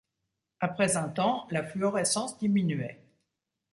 Après un temps, la fluorescence diminuait.